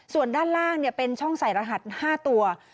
ส่วนด้านล่างเป็นช่องใส่รหัส๕ตัว